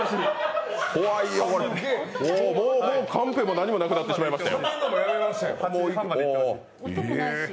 怖いよこれ、もうカンペも何もなくなってしまいましたよ。